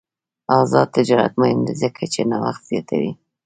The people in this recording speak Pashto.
آزاد تجارت مهم دی ځکه چې نوښت زیاتوي.